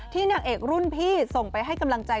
นางเอกรุ่นพี่ส่งไปให้กำลังใจ